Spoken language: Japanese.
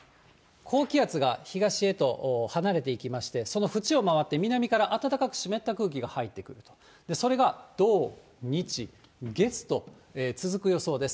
高気圧が東へと離れていきまして、その縁を回って、南から暖かく湿った空気が入ってくる、それが土、日、月と続く予想です。